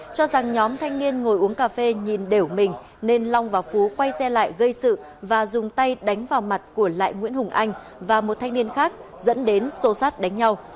cho rằng nhóm thanh niên ngồi uống cà phê nhìn đều mình nên long và phú quay xe lại gây sự và dùng tay đánh vào mặt của lại nguyễn hùng anh và một thanh niên khác dẫn đến xô sát đánh nhau